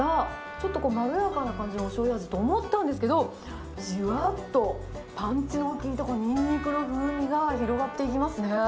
ちょっとこう、まろやかな感じのおしょうゆ味と思ったんですけど、じわっと、パンチの効いたこのニンニクの風味が広がっていきますね。